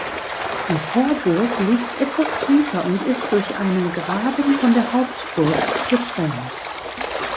Die Vorburg liegt etwas tiefer und ist durch einen Graben von der Hauptburg getrennt.